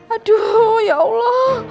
aduh ya allah